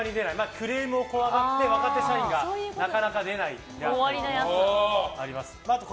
クレームを怖がって若手社員がなかなか出ないと。